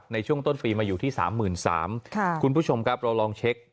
ในช่วงต้นปีมาอยู่ที่๓๓๐๐บาทคุณผู้ชมครับเราลองเช็ค